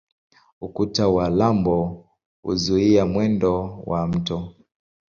Ukuta wa lambo huzuia mwendo wa mto.